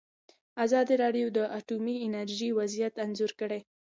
ازادي راډیو د اټومي انرژي وضعیت انځور کړی.